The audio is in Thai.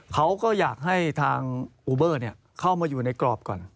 เขาก็อยากให้ทางอูเบอร์เข้ามาอยู่ในกรอบก่อน